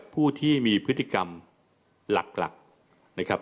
ผู้ที่มีพฤติกรรมหลักนะครับ